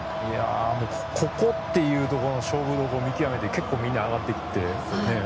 ここっていうところの勝負どころを見極めて結構みんな上がっていって。